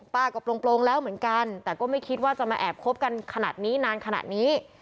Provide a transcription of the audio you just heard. ป้าก็โปร่งแล้วเหมือนกันแต่ก็ไม่คิดว่าจะมาแอบคบกันขนาดนี้นานขนาดนี้